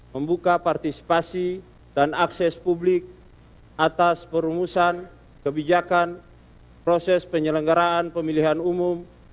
membuka partisipasi dan akses publik atas perumusan kebijakan proses penyelenggaraan pemilihan umum